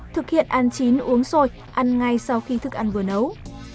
thực hiện ăn chín uống sôi ăn ngay sau khi thức ăn vừa nấu